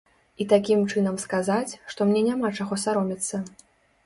І такім чынам сказаць, што мне няма чаго саромецца.